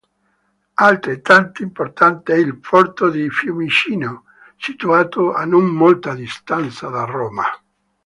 Altrettanto importante è il porto di Fiumicino, situato a non molta distanza da Roma.